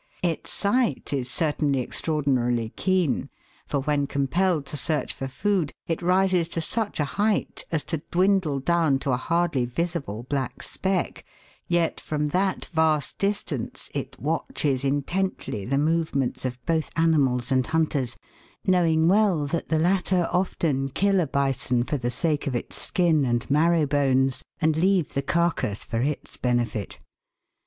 Its sight is certainly extraordinarily keen, for when compelled to search for food it rises to such a height as to dwindle down to a hardly visible black speck, yet from that vast distance it watches intently the movements of both animals and hunters, knowing well that the latter often kill a bison for the sake of its skin and marrow bones, and leave the carcass for its benefit.